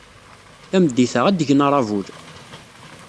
Tameddit-a, ad d-gen aṛabul.